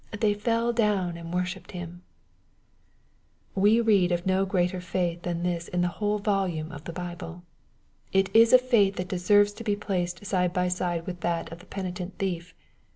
" They fell down and worshipped Him/' We read of no greater faith than this in the whole volume of the Biblef It is a faith that deserves to be placed side by side with that of the penitent thief.